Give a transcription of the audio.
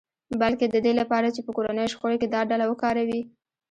بلکې د دې لپاره چې په کورنیو شخړو کې دا ډله وکاروي